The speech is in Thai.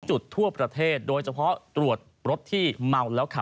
จุดทั่วประเทศโดยเฉพาะตรวจรถที่เมาแล้วขับ